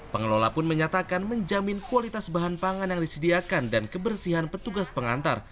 pengelola pun menyatakan menjamin kualitas bahan pangan yang disediakan dan kebersihan petugas pengantar